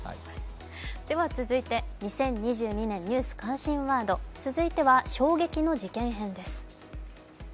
続いて、２０２２年ニュース関心ワード、続いては衝撃の事件編です。